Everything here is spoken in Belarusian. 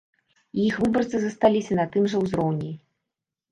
І іх выбарцы засталіся на тым жа ўзроўні.